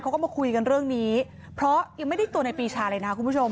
เขาก็มาคุยกันเรื่องนี้เพราะยังไม่ได้ตัวในปีชาเลยนะคุณผู้ชม